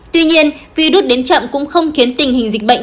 tuy nhiên virus đến chậm cũng không khiến tình hình dịch bệnh